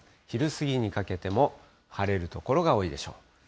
昼過ぎにかけても晴れる所が多いでしょう。